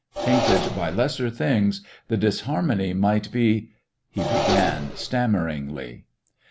Tainted by lesser things, the disharmony might be " he began stammeringly.